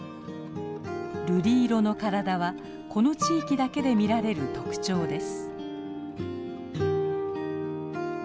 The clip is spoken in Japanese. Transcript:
瑠璃色の体はこの地域だけで見られる特徴です。